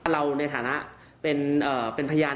เราในฐานะเป็นพยาน